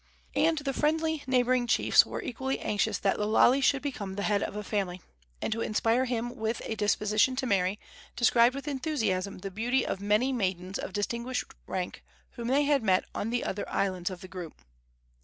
And the friendly neighboring chiefs were equally anxious that Lo Lale should become the head of a family, and, to inspire him with a disposition to marry, described with enthusiasm the beauty of many maidens of distinguished rank whom they had met on the other islands of the group.